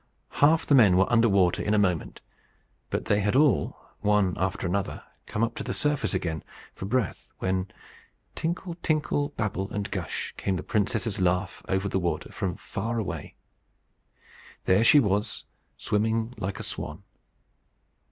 Half the men were under water in a moment; but they had all, one after another, come up to the surface again for breath, when tinkle, tinkle, babble, and gush! came the princess's laugh over the water from far away. There she was, swimming like a swan.